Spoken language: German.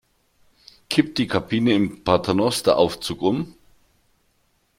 Kippt die Kabine im Paternosteraufzug um?